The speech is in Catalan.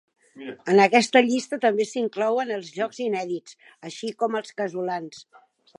En aquesta llista també s'inclouen els jocs inèdits, així com els casolans.